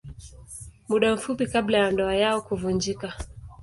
Muda mfupi kabla ya ndoa yao kuvunjika.